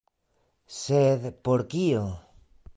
Sed por kio?